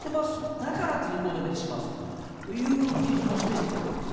だから通行止めにしますという基準を示してくれたんです。